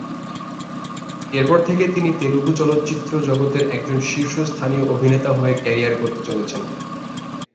এরপর থেকে তিনি তেলুগু চলচ্চিত্র জগতের একজন শীর্ষস্থানীয় অভিনেতা হয়ে ক্যারিয়ার গড়তে চলেছেন।